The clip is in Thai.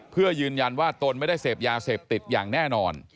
เพื่อยืนยันว่าตนไม่ได้เสพยาเสพติดอย่างแน่นอน